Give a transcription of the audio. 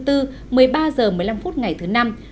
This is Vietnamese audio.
một mươi ba h một mươi năm phút ngày thứ năm năm h